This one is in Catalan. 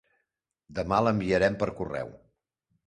Demà l'enviarem per correu.